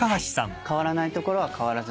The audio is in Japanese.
変わらないところは変わらずに。